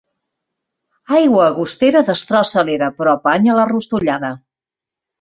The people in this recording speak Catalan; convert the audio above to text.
Aigua agostera destrossa l'era, però apanya la rostollada.